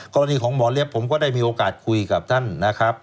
กรณีของหมอเล็บผมก็ได้มีโอกาสคุยกับท่านนะครับ